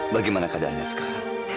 bagaimana keadaannya sekarang